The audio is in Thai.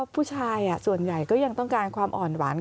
ผู้ชายส่วนใหญ่ก็ยังต้องการความอ่อนหวาน